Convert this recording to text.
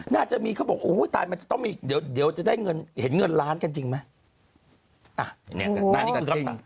น่าจะมีเขาบอกโอ้ยตายมันจะต้องมีเดี๋ยวเดี๋ยวจะได้เงินเห็นเงินล้านกันจริงไหมอ่ะ